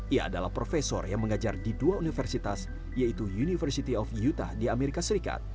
ia adalah profesor yang mengajar di dua universitas yaitu university of utah di amerika serikat